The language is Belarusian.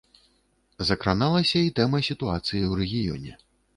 Закраналася і тэма сітуацыі ў рэгіёне.